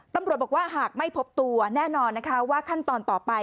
ตำรวจบอกว่าหากไม่พบตัวแน่นอนนะคะว่าขั้นตอนต่อไป